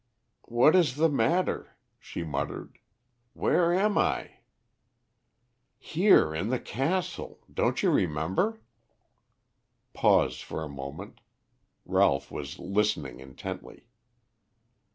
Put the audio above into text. "What is the matter?" she muttered. "Where am I?" "Here, in the castle. Don't you remember?" Pause for a moment. Ralph was listening intently.